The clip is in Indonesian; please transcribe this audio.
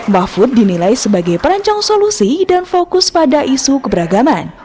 mahfud dinilai sebagai perancang solusi dan fokus pada isu keberagaman